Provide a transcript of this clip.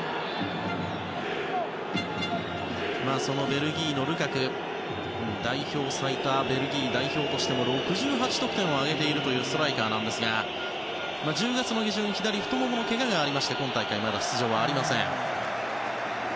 ベルギーのルカク代表最多、ベルギーとしても６８得点を挙げているというストライカーなんですが１０月の下旬、左太ももにけががありまして今大会まだ出場がありません。